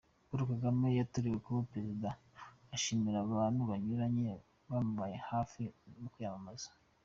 Paul Kagame yatorewe kuba Perezida ashimira abantu banyuranye bamubaye hafi mu kwiyamamaza.